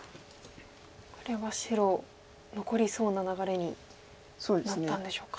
これは白残りそうな流れになったんでしょうか。